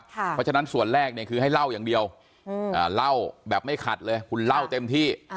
เพราะฉะนั้นส่วนแรกเนี่ยคือให้เล่าอย่างเดียวเล่าแบบไม่ขัดเลยคุณเล่าเต็มที่